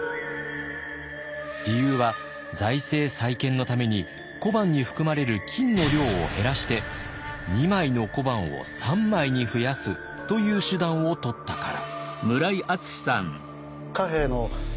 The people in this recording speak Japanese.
理由は財政再建のために小判に含まれる金の量を減らして２枚の小判を３枚に増やすという手段をとったから。